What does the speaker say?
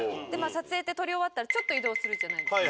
撮影って撮り終わったらちょっと移動するじゃないですか。